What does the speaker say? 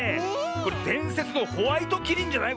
これでんせつのホワイトキリンじゃない？